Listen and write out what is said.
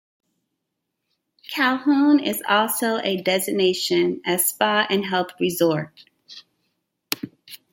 Cahul is also a destination as spa and health resort.